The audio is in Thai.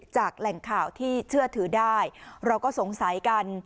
แหล่งข่าวที่เชื่อถือได้เราก็สงสัยกัน